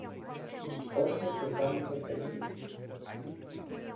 Hoxe escoitamos os peritos.